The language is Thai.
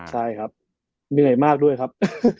ใช่ครับเหนื่อยมากด้วยครับ